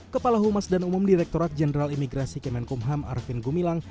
kepala humas dan umum direkturat jenderal imigrasi kemenkumham arvin gumilang